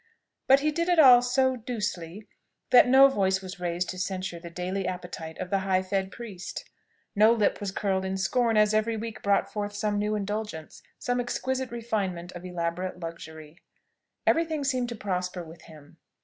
But he did it all so "doucely," that no voice was raised to censure the dainty appetite of the high fed priest; no lip was curled in scorn as every week brought forth some new indulgence, some exquisite refinement of elaborate luxury. Every thing seemed to prosper with him.